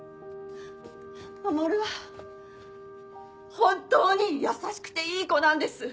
守は本当に優しくていい子なんです。